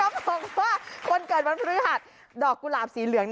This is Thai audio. บอกว่าคนเกิดวันพฤหัสดอกกุหลาบสีเหลือง